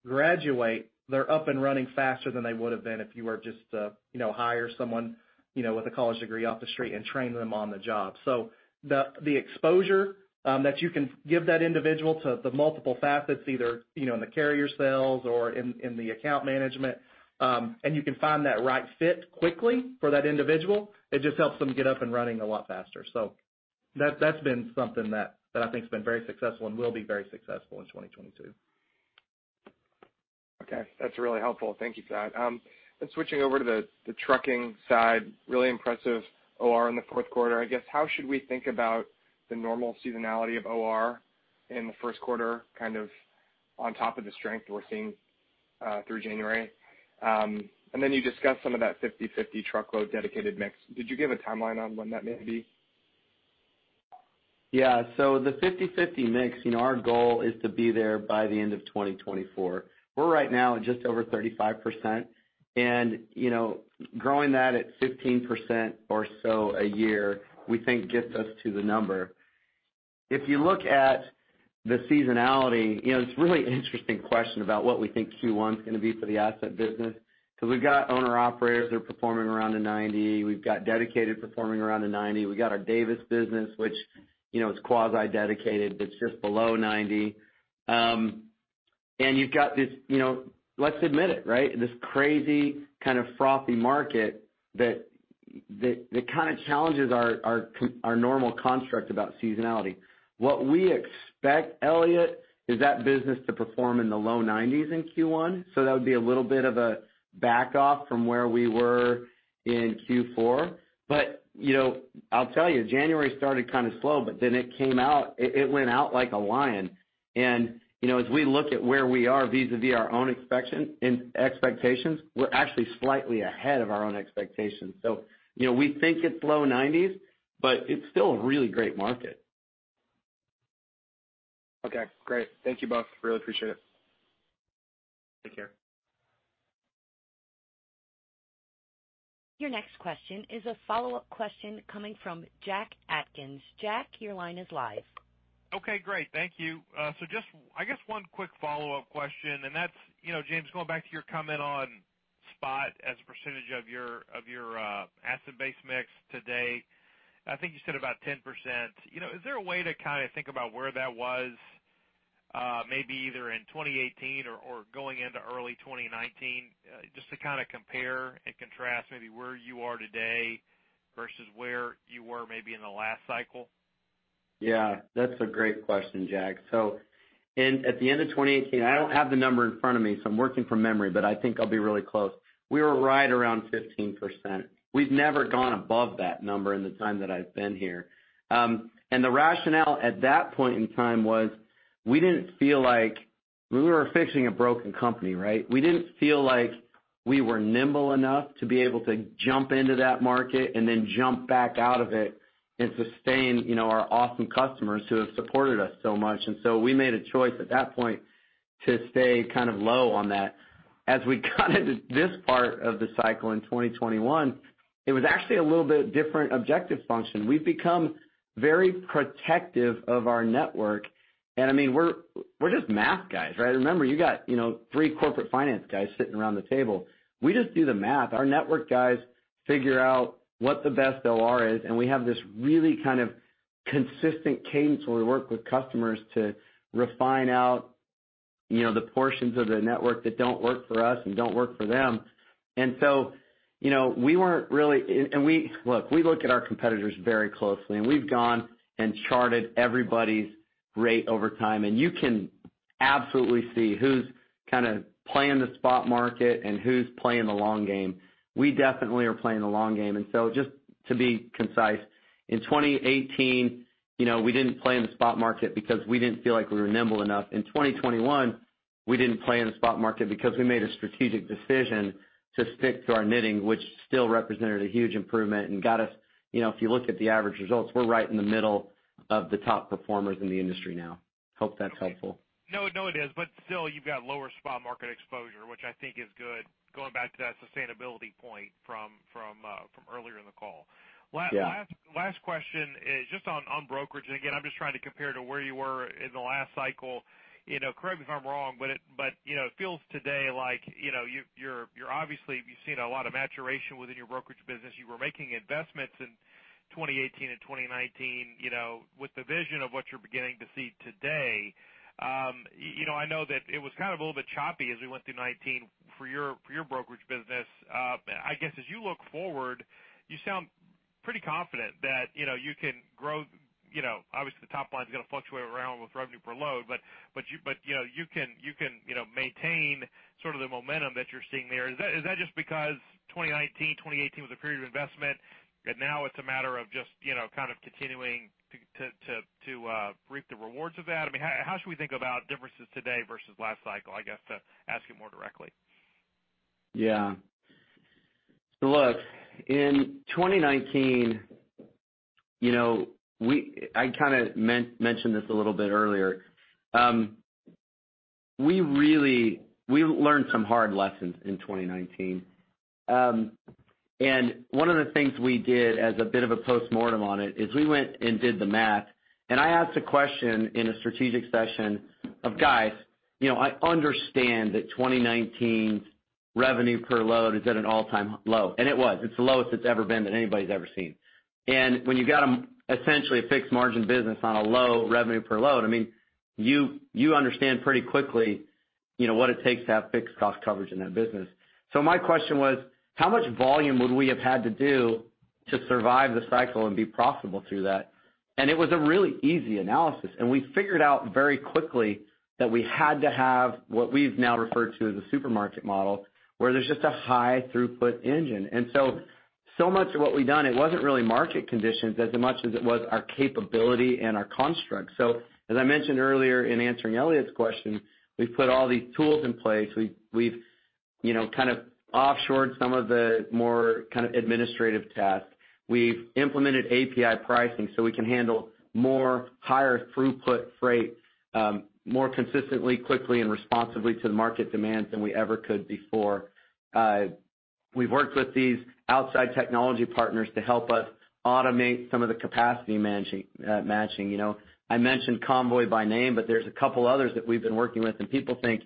graduate, they're up and running faster than they would have been if you were just to, you know, hire someone, you know, with a college degree off the street and train them on the job. The exposure that you can give that individual to the multiple facets, either, you know, in the carrier sales or in the account management, and you can find that right fit quickly for that individual, it just helps them get up and running a lot faster. That's been something that I think has been very successful and will be very successful in 2022. Okay. That's really helpful. Thank you for that. Switching over to the trucking side, really impressive OR in the fourth quarter. I guess, how should we think about the normal seasonality of OR in the first quarter, kind of on top of the strength we're seeing through January? You discussed some of that 50/50 truckload dedicated mix. Did you give a timeline on when that may be? Yeah. The 50/50 mix, you know, our goal is to be there by the end of 2024. We're right now at just over 35%. You know, growing that at 15% or so a year, we think gets us to the number. If you look at the seasonality, you know, it's really an interesting question about what we think Q1 is going to be for the asset business because we've got owner-operators that are performing around 90%. We've got dedicated performing around 90%. We got our Davis business, which, you know, is quasi-dedicated, but it's just below 90%. You've got this, you know, let's admit it, right? This crazy kind of frothy market that kind of challenges our normal construct about seasonality. What we expect, Elliot, is that business to perform in the low 90s in Q1. That would be a little bit of a back off from where we were in Q4. You know, I'll tell you, January started kind of slow, but then it came out, it went out like a lion. You know, as we look at where we are vis-à-vis our own expectations, we're actually slightly ahead of our own expectations. You know, we think it's low 90s%, but it's still a really great market. Okay, great. Thank you both. Really appreciate it. Take care. Your next question is a follow-up question coming from Jack Atkins. Jack, your line is live. Okay, great. Thank you. Just, I guess one quick follow-up question, and that's, you know, James, going back to your comment on spot as a percentage of your asset base mix to date. I think you said about 10%. You know, is there a way to kind of think about where that was, maybe either in 2018 or going into early 2019, just to kind of compare and contrast maybe where you are today versus where you were maybe in the last cycle? Yeah, that's a great question, Jack. At the end of 2018, I don't have the number in front of me, so I'm working from memory, but I think I'll be really close. We were right around 15%. We've never gone above that number in the time that I've been here. The rationale at that point in time was we didn't feel like we were fixing a broken company, right? We didn't feel like we were nimble enough to be able to jump into that market and then jump back out of it and sustain, you know, our awesome customers who have supported us so much. We made a choice at that point to stay kind of low on that. As we got into this part of the cycle in 2021, it was actually a little bit different objective function. We've become very protective of our network. I mean, we're just math guys, right? Remember, you got, you know, three corporate finance guys sitting around the table. We just do the math. Our network guys figure out what the best OR is, and we have this really kind of consistent cadence where we work with customers to refine out, you know, the portions of the network that don't work for us and don't work for them. Look, we look at our competitors very closely, and we've gone and charted everybody's rate over time, and you can absolutely see who's kind of playing the spot market and who's playing the long game. We definitely are playing the long game. Just to be concise, in 2018, you know, we didn't play in the spot market because we didn't feel like we were nimble enough. In 2021, we didn't play in the spot market because we made a strategic decision to stick to our knitting, which still represented a huge improvement and got us, you know, if you look at the average results, we're right in the middle of the top performers in the industry now. Hope that's helpful. No, no, it is. Still you've got lower spot market exposure, which I think is good, going back to that sustainability point from earlier in the call. Yeah. Last question is just on brokerage. Again, I'm just trying to compare to where you were in the last cycle. You know, correct me if I'm wrong, but you know, it feels today like, you know, you're obviously you've seen a lot of maturation within your brokerage business. You were making investments in 2018 and 2019, you know, with the vision of what you're beginning to see today. You know, I know that it was kind of a little bit choppy as we went through 2019 for your brokerage business. I guess as you look forward, you sound pretty confident that, you know, you can grow, you know, obviously the top line is going to fluctuate around with revenue per load, but you know, you can maintain sort of the momentum that you're seeing there. Is that just because 2019, 2018 was a period of investment, but now it's a matter of just, you know, kind of continuing to reap the rewards of that? I mean, how should we think about differences today versus last cycle, I guess, to ask you more directly? Yeah. Look, in 2019, you know, I kind of mentioned this a little bit earlier. We really learned some hard lessons in 2019. One of the things we did as a bit of a postmortem on it is we went and did the math. I asked a question in a strategic session of, "Guys, you know, I understand that 2019's revenue per load is at an all-time low." It was. It's the lowest it's ever been that anybody's ever seen. When you got essentially a fixed margin business on a low revenue per load, I mean, you understand pretty quickly, you know, what it takes to have fixed cost coverage in that business. So my question was, how much volume would we have had to do to survive the cycle and be profitable through that? It was a really easy analysis. We figured out very quickly that we had to have what we've now referred to as a supermarket model, where there's just a high throughput engine. Much of what we've done, it wasn't really market conditions as much as it was our capability and our construct. As I mentioned earlier in answering Elliot's question, we've put all these tools in place. We've you know, kind of offshored some of the more kind of administrative tasks. We've implemented API pricing so we can handle more higher throughput freight, more consistently, quickly, and responsibly to the market demand than we ever could before. We've worked with these outside technology partners to help us automate some of the capacity matching, you know. I mentioned Convoy by name, but there's a couple others that we've been working with, and people think,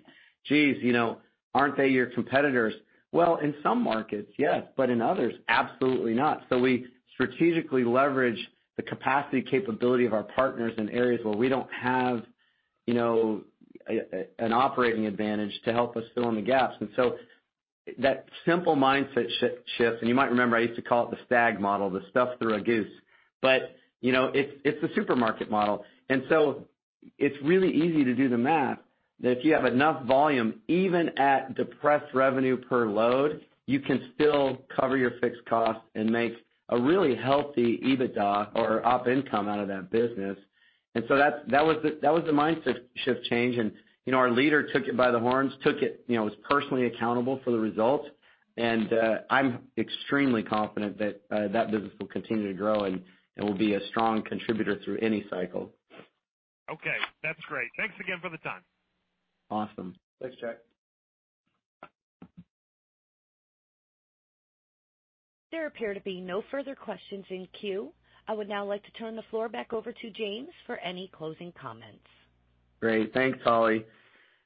Jeez, you know, aren't they your competitors? Well, in some markets, yes, but in others, absolutely not. We strategically leverage the capacity capability of our partners in areas where we don't have, you know, an operating advantage to help us fill in the gaps. That simple mindset shifts, and you might remember, I used to call it the STAG model, the stuff through a goose. You know, it's the supermarket model. It's really easy to do the math that if you have enough volume, even at depressed revenue per load, you can still cover your fixed cost and make a really healthy EBITDA or op income out of that business. That was the mindset shift change. You know, our leader took it by the horns, you know, was personally accountable for the results. I'm extremely confident that that business will continue to grow and will be a strong contributor through any cycle. Okay, that's great. Thanks again for the time. Awesome. Thanks, Jack. There appear to be no further questions in queue. I would now like to turn the floor back over to James for any closing comments. Great. Thanks, Holly.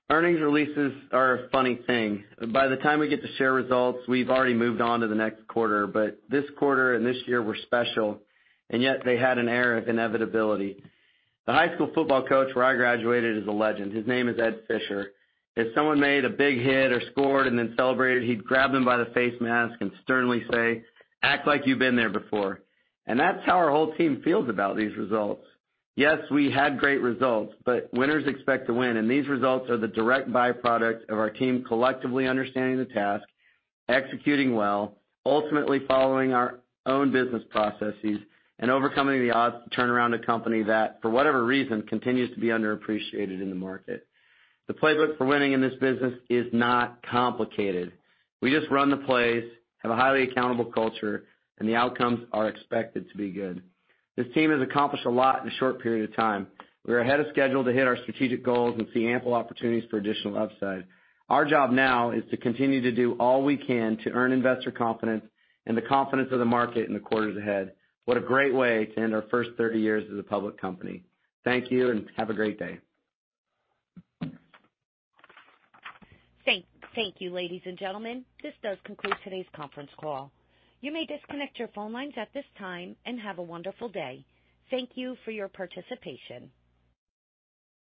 Earnings releases are a funny thing. By the time we get to share results, we've already moved on to the next quarter. This quarter and this year were special, and yet they had an air of inevitability. The high school football coach where I graduated is a legend. His name is Ed Fischer. If someone made a big hit or scored and then celebrated, he'd grab them by the face mask and sternly say, "Act like you've been there before." That's how our whole team feels about these results. Yes, we had great results, but winners expect to win, and these results are the direct byproduct of our team collectively understanding the task, executing well, ultimately following our own business processes, and overcoming the odds to turn around a company that, for whatever reason, continues to be underappreciated in the market. The playbook for winning in this business is not complicated. We just run the plays, have a highly accountable culture, and the outcomes are expected to be good. This team has accomplished a lot in a short period of time. We're ahead of schedule to hit our strategic goals and see ample opportunities for additional upside. Our job now is to continue to do all we can to earn investor confidence and the confidence of the market in the quarters ahead. What a great way to end our first 30 years as a public company. Thank you and have a great day. Thank you, ladies and gentlemen. This does conclude today's conference call. You may disconnect your phone lines at this time and have a wonderful day. Thank you for your participation.